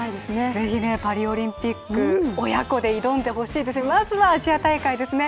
ぜひパリオリンピック親子で挑んでほしいですしまずはアジア大会ですね。